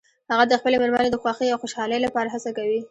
هغه د خپلې مېرمنې د خوښې او خوشحالۍ لپاره هڅه کوي